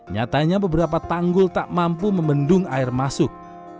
nyatanya beberapa tanggul tak mampu membendung air masuk